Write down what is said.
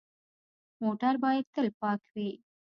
موټر باید تل پاک وي.